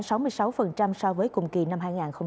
so với cùng kỳ năm hai nghìn hai mươi một